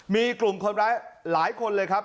มีกลุ่มคนร้ายหลายคนเลยครับ